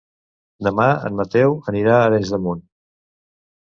Demà en Mateu anirà a Arenys de Munt.